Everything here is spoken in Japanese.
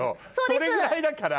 それぐらいだから。